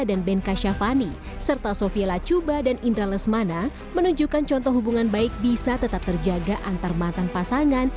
dan benka syafani serta sofiella cuba dan indra lesmana menunjukkan contoh hubungan baik bisa tetap terjaga antar mantan pasangan